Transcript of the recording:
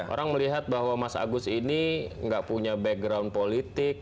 orang melihat bahwa mas agus ini gak punya background politik